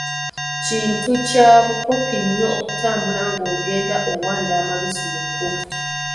Kintu kya bukopi nnyo okutambula nga ogenda owanda amalusu mu kkubo.